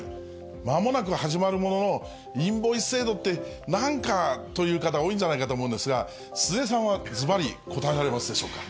まもなく始まるものの、インボイス制度ってなんかという方、多いんじゃないかと思うんですが、鈴江さんはずばり答えられますでしょうか。